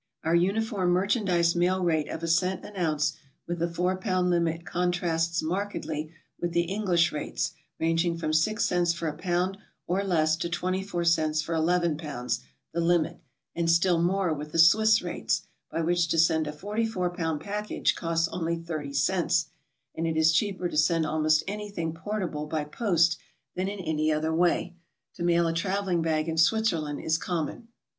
Our uniform merchandise mail rate of a cent an ounce with a 4 pound limit contrasts markedly with the English rates, rang'ing from 6 cents for a pound or less to 24 cents for II pounds, the limit, and still more with the Swiss rates, by which to send a 44 pound package costs only 30 cents, and it is cheaper to send almost anything portable by post than in any other way. To mail a traveling bag in Switzer land is common.